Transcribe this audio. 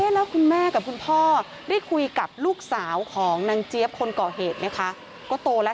แล้วคุณแม่กับคุณพ่อได้คุยกับลูกสาวของนางเจี๊ยบคนก่อเหตุไหมคะก็โตแล้ว